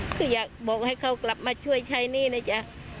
คืออยากบอกให้เขากลับมาช่วยใช้หนี้นะจ๊ะ